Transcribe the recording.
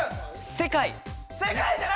世界！